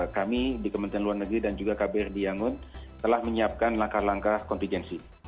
kami di kementerian luar negeri dan juga kbr di yangon telah menyiapkan langkah langkah kontingensi